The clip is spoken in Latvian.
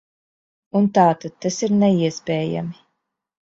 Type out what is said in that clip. Un tātad tas ir neiespējami.